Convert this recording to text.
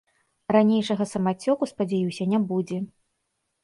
Ранейшага самацёку, спадзяюся, не будзе.